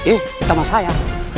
eh ditemani saya